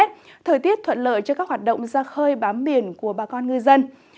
thế thời tiết thuận lợi cho các hoạt động ra khơi bám biển của bà con người dân